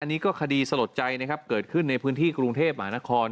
อันนี้ก็คดีสลดใจนะครับเกิดขึ้นในพื้นที่กรุงเทพหมานคร